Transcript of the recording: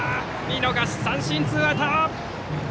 見逃し三振、ツーアウト！